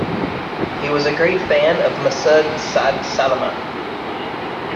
He was a great fan of Masud Sa'd Salman.